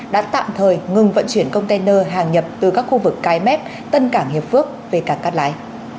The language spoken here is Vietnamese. đã tạm thời ngừng vận chuyển container hàng nhập từ các khu vực cái mép tân cảng hiệp phước về cảng cát lái